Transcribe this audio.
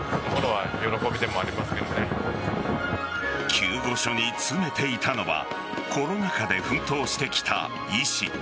救護所に詰めていたのはコロナ禍で奮闘してきた医師。